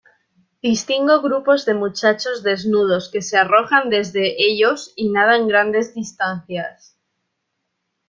distingo grupos de muchachos desnudos que se arrojan desde ellos y nadan grandes distancias